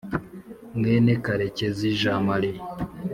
mwene karekezi jean marie